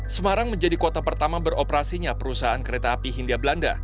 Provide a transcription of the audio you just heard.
semarang menjadi kota pertama beroperasinya perusahaan kereta api hindia belanda